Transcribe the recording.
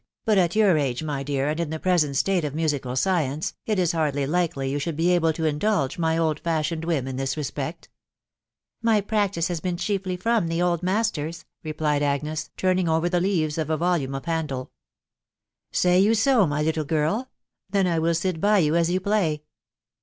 tf But at your age, my dear, and in the present state of musical science, it is hardly likely you should be able to indulge my old fashioned whim in this respect." " My practice has been chiefly from the old masters," re plied Agnes, turning over the leaves of a volume of Handel. « Say you so, my little girl ?.... Then I will sit by you as you play."